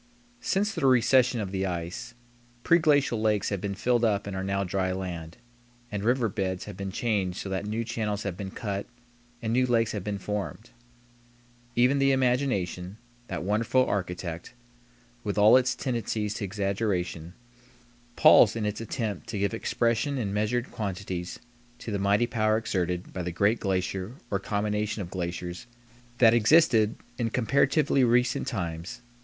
Since the recession of the ice, preglacial lakes have been filled up and are now dry land, and river beds have been changed so that new channels have been cut and new lakes have been formed. Even the imagination, that wonderful architect, with all its tendencies to exaggeration, palls in its attempt to give expression in measured quantities to the mighty power exerted by the great glacier or combination of glaciers that existed in comparatively recent times.